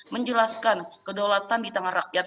menjelaskan kedaulatan di tengah rakyat